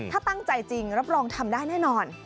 ถ้าตั้งใจจริงรับรองทำได้แน่นอน